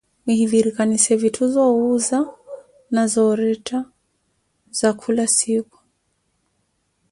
Muhivirikanise vitthu za owuuza na za oretta za khula siikhu.